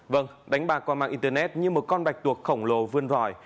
vâng đánh bạc qua mạng internet như một con bạch tuộc khổng lồ vươn ròi